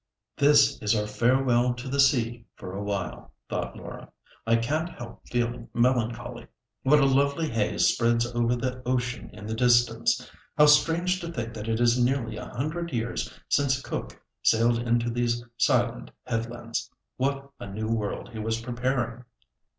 "This is our farewell to the sea for a while," thought Laura. "I can't help feeling melancholy. What a lovely haze spreads over the ocean in the distance! How strange to think that it is nearly a hundred years since Cook sailed into these silent headlands. What a new world he was preparing!